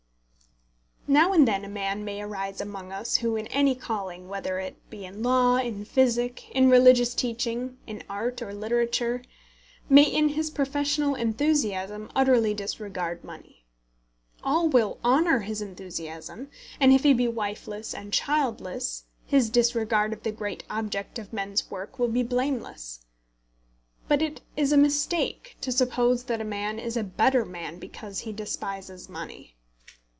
Now and then a man may arise among us who in any calling, whether it be in law, in physic, in religious teaching, in art, or literature, may in his professional enthusiasm utterly disregard money. All will honour his enthusiasm, and if he be wifeless and childless, his disregard of the great object of men's work will be blameless. But it is a mistake to suppose that a man is a better man because he despises money.